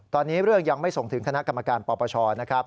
ตอนนี้เรื่องยังไม่ส่งถึงคณะกรรมการปปชนะครับ